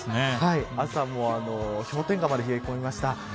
朝も氷点下まで冷え込みました。